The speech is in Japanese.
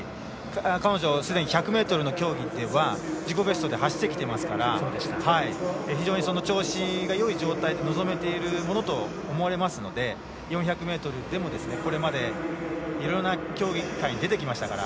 彼女、すでに１００ｍの競技というのは自己ベストで走ってきていますから非常にその調子がよい状態で臨めているものと思われますので４００ｍでもこれまでいろんな競技会に出てきましたから。